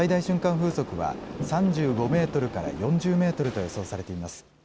風速は３５メートルから４０メートルと予想されています。